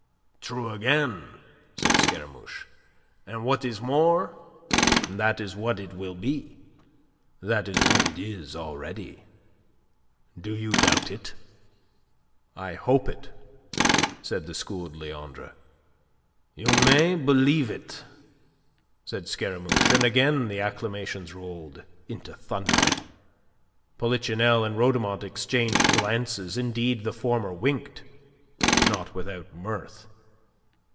"True again," said Scaramouche. "And what is more, that is what it will be; that is what it already is. Do you doubt it?" "I hope it," said the schooled Leandre. "You may believe it," said Scaramouche, and again the acclamations rolled into thunder. Polichinelle and Rhodomont exchanged glances: indeed, the former winked, not without mirth.